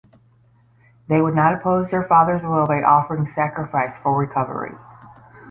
They would not oppose their father's will by offering sacrifice for recovery.